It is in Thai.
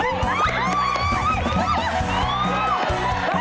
โอ้โฮตรงนี้